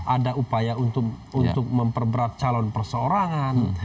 ada upaya untuk memperberat calon perseorangan